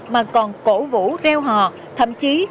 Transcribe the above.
mà còn cổ vũ reo hò thậm chí là